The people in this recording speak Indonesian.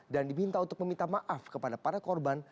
dan diminta untuk meminta maaf kepada para korban